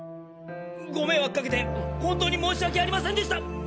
ご迷惑かけて本当に申し訳ありませんでした！